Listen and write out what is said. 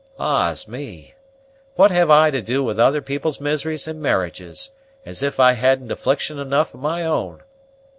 Ah's me! what have I to do with other people's miseries and marriages, as if I hadn't affliction enough of my own?